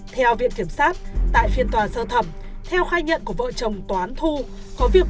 theo viện kiểm soát tại phiên tòa sơ thẩm theo khai nhận của vợ chồng toán thu có việc